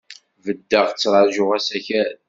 Beddeɣ, ttṛajuɣ asakal.